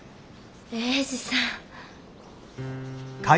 英治さん。